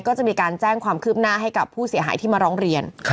ก็จะมีการแจ้งความคืบหน้าให้กับผู้เสียหายที่มาร้องเรียน